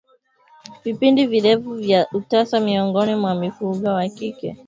Vipindi virefu vya utasa miongoni mwa mifugo wa kike